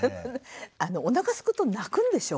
おなかすくと泣くんでしょ？